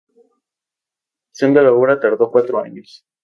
La construcción de la obra tardó cuatro años.